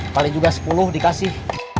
paling juga sepuluh dikasih